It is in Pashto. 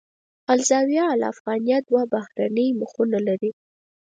الزاویة الافغانیه دوه بهرنۍ مخونه لري.